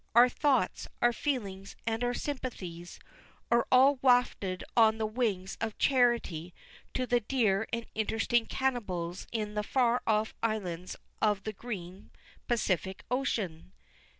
Our thoughts, our feelings, and our sympathies, are all wafted on the wings of charity to the dear and interesting cannibals in the far off islands of the green Pacific Ocean.